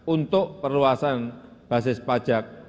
untuk perluasan basis pajak